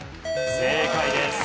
正解です。